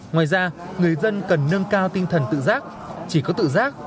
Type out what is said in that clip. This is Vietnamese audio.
ngoài ra người dân cần nâng cao tinh thần tự giác chỉ có tự giác